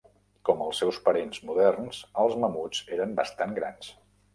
Com els seus parents moderns, els mamuts eren bastant grans.